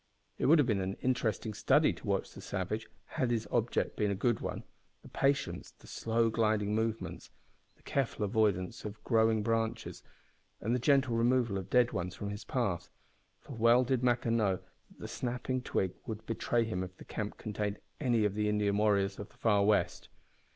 It would have been an interesting study to watch the savage, had his object been a good one the patience; the slow, gliding movements; the careful avoidance of growing branches, and the gentle removal of dead ones from his path, for well did Maqua know that a snapping twig would betray him if the camp contained any of the Indian warriors of the Far West.